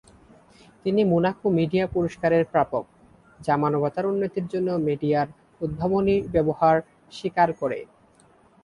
তিনি Monaco media পুরস্কারের প্রাপক, যা মানবতার উন্নতির জন্য মিডিয়ার উদ্ভাবনী ব্যবহার স্বীকার করে।